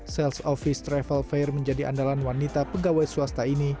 sales office travel fair menjadi andalan wanita pegawai swasta ini